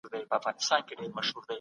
اې! تاته وايم دغه